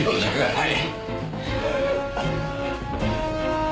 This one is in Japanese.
はい。